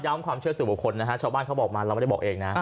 ความเชื่อสู่บุคคลนะฮะชาวบ้านเขาบอกมาเราไม่ได้บอกเองนะ